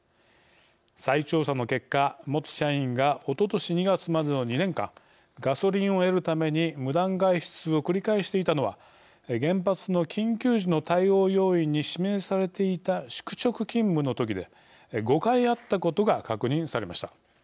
再調査の結果、元社員がおととし２月までの２年間ガソリンを得るために無断外出を繰り返していたのは原発の緊急時の対応要員に指名されていた宿直勤務のときで５回あったことが確認されました。